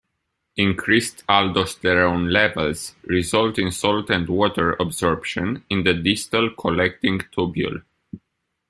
Increased aldosterone levels results in salt and water absorption in the distal collecting tubule.